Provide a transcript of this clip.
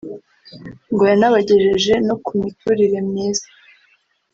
ngo yanabagejeje no ku miturire myiza